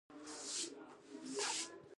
ګاونډي ته ښه نیت لرل، د زړه پاکوالی ښيي